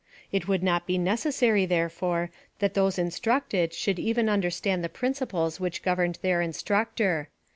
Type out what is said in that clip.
It would not be neces sary, therefore, that those instructed should even understand the principles which governed their in structor.